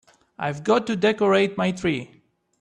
I've got to decorate my tree.